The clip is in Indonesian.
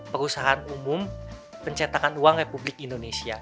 perusahaan umum pencetakan uang republik indonesia